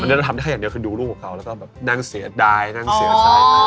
อันนี้เราทำได้แค่อย่างเดียวคือดูรูปของเขาแล้วก็นั่งเสียดายนั่งเสียสาย